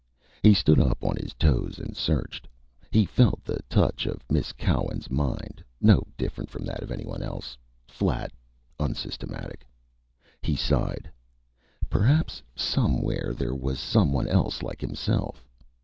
He stood up on his toes and searched. He felt the touch of Miss Cowan's mind, no different from that of anyone else flat, unsystematic. He sighed. Perhaps, somewhere, there was someone else like himself.